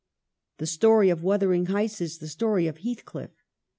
The story of ' Wither ing Heights' is the story of Heathcliff.